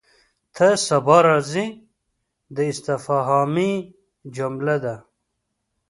ته سبا راځې؟ دا استفهامي جمله ده.